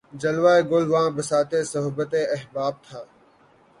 جلوہٴ گل واں بساطِ صحبتِ احباب تھا